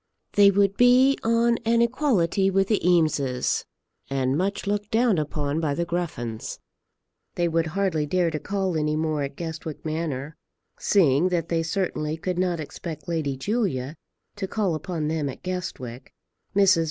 They would be on an equality with the Eameses, and much looked down upon by the Gruffens. They would hardly dare to call any more at Guestwick Manor, seeing that they certainly could not expect Lady Julia to call upon them at Guestwick. Mrs.